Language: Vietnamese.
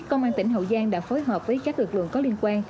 công an tỉnh hậu giang đã phối hợp với các lực lượng có liên quan